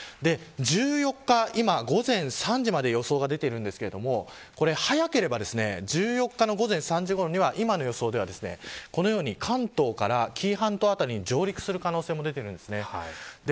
１４日、今、午前３時まで予想が出ていますが早ければ１４日の午前３時ごろには今の予想ではこのように関東から紀伊半島辺りに上陸する可能性も出ています。